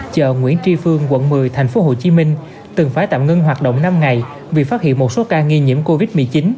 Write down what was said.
chợ nguyễn tri phương quận một mươi thành phố hồ chí minh từng phải tạm ngưng hoạt động năm ngày vì phát hiện một số ca nghi nhiễm covid một mươi chín